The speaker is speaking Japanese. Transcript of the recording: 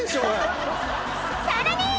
［さらに］